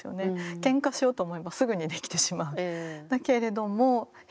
けんかしようと思えばすぐにできてしまう。